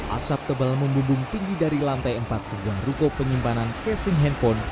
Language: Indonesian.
asap tebal membumbung tinggi dari lantai empat sebuah ruko penyimpanan casing handphone